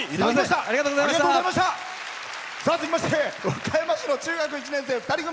続きまして和歌山市の中学１年生２人組。